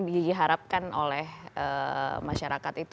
mungkin yang diharapkan oleh masyarakat itu